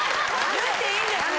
言っていいんですね？